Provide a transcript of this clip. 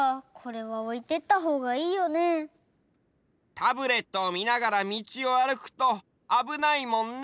タブレットをみながらみちをあるくとあぶないもんね。